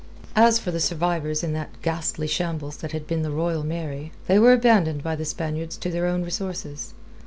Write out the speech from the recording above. As for the survivors in that ghastly shambles that had been the Royal Mary, they were abandoned by the Spaniards to their own resources.